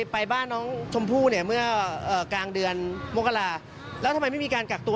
ไปบ้านน้องชมพู่เนี่ยเมื่อกลางเดือนมกราแล้วทำไมไม่มีการกักตัว